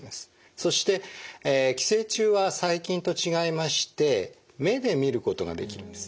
そして寄生虫は細菌と違いまして目で見ることができるんです。